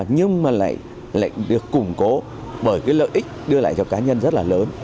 nhưng mà lại được củng cố bởi cái lợi ích đưa lại cho cá nhân rất là lớn